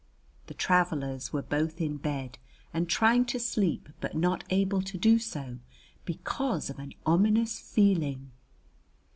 The travelers were both in bed and trying to sleep but not able to do so because of an ominous feeling.